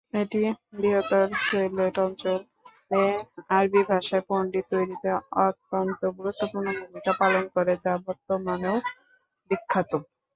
এটি বৃহত্তর সিলেট অঞ্চলে "আরবি ভাষার পণ্ডিত" তৈরিতে অত্যন্ত গুরুত্বপূর্ণ ভূমিকা পালন করে, যা বর্তমানেও বিখ্যাত।